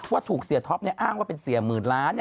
ว่าถูกเสียท็อปอ้างว่าเป็นเสียหมื่นล้าน